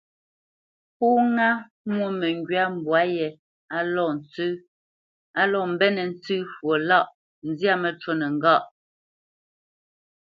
Pó ŋâ mwô məŋgywa mbwǎ yé á lɔ́ mbenə́ tə ntsə fwo lâʼ, zyâ məcûnə ŋgâ.